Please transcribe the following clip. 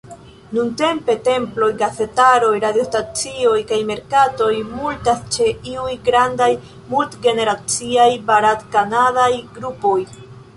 Nuntempe temploj, gazetaro, radiostacioj, kaj merkatoj multas ĉe iuj grandaj, mult-generaciaj barat-kanadaj grupoj.